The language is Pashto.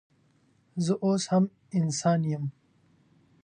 زه اوس هم انسانه یم